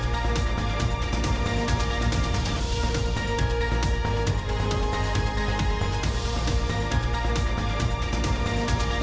ขอบคุณค่ะ